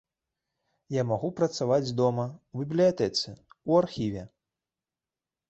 Я магу працаваць дома, у бібліятэцы, у архіве.